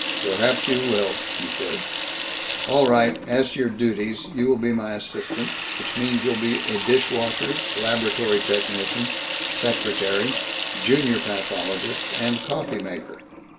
"Perhaps you will," he said. "All right. As to your duties you will be my assistant, which means you'll be a dishwasher, laboratory technician, secretary, junior pathologist, and coffee maker.